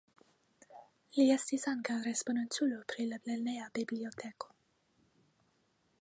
Li estis ankaŭ respondeculo pri la lerneja biblioteko.